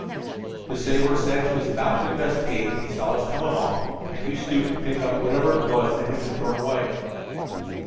"The sailor said he was about to investigate when he saw us come along, and you stooped to pick up whatever it was that had been thrown away.